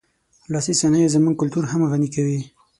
لاسي صنایع زموږ کلتور هم غني کوي.